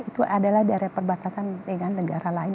itu adalah daerah perbatasan dengan negara lain